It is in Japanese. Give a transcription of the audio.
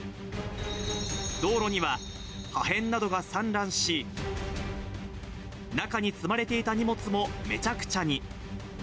道路には破片などが散乱し、中に積まれていた荷物もめちゃくちゃに。